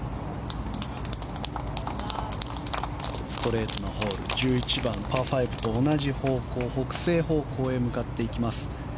ストレートのホール１１番、パー５と同じ方向北西方向へ向かっていきます。